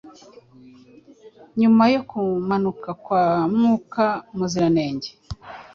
Nyuma yo kumanuka kwa Mwuka Muziranenge,